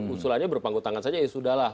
usulannya berpanggul tangan saja ya sudah lah